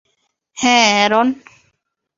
হ্যাঁ, অ্যারন।